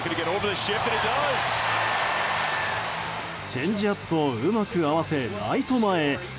チェンジアップをうまく合わせライト前へ。